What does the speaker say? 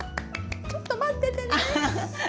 ちょっと待っててね。